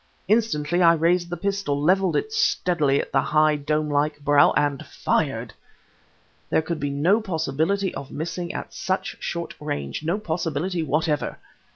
Instantly I raised the pistol, leveled it steadily at the high, dome like brow and fired! There could be no possibility of missing at such short range, no possibility whatever